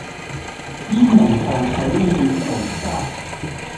煙籠寒水月籠沙